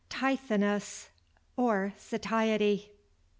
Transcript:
—TYTHONUS, OR SATIETY.